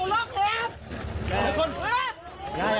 สวัสดีครับคุณผู้ชาย